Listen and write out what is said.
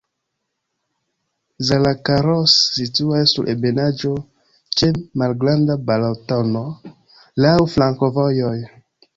Zalakaros situas sur ebenaĵo, ĉe malgranda Balatono, laŭ flankovojoj.